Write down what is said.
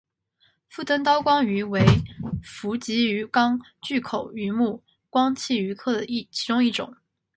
腹灯刀光鱼为辐鳍鱼纲巨口鱼目光器鱼科的其中一种。